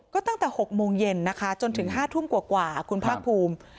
ก็ตั้งแต่๖โมงเย็นนะคะจนถึง๕ทุ่มกว่าคุณภาคภูมิ